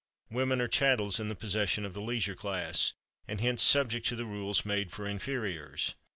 Women are chattels in the possession of the leisure class, and hence subject to the rules made for inferiors.